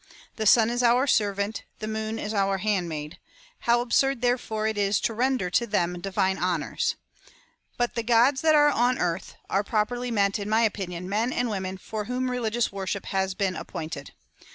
The sun is our servant ; the moon is our handmaid. How absurd, therefore, it is to render to them divine honours ! By the gods that are on earth, are properly meant, in my opinion, men and Avomen for whom religious worship has been ap pointed.